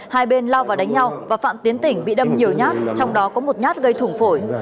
hai bên lao vào đánh nhau và phạm tiến tỉnh bị đâm nhiều nhát trong đó có một nhát gây thủng phổi